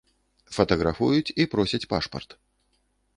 Фатаграфуюць і просяць пашпарт.